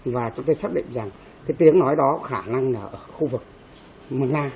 và chúng ta xác định rằng cái tiếng nói đó khả năng là ở khu vực mường na